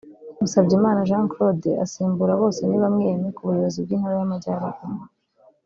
Musabyimana Jean Claude asimbura Bosenibamwe Aimee ku buyobozi bw’Intara y’Amajyaruguru